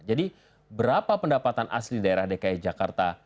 jadi berapa pendapatan asli daerah dki jakarta